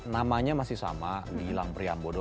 namanya masih sama di gilang priambodo